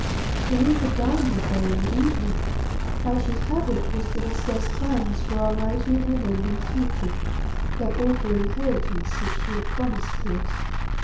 When we had dined with her in the evening, Ayesha's habit was to discuss plans for our mighty and unending future, that awful inheritance which she had promised to us.